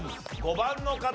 ５番の方。